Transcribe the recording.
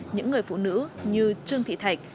những người phụ nữ như trương thị thạch